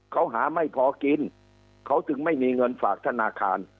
เขาหาไม่พอกินเขาจึงไม่มีเงินฝากธนาคาร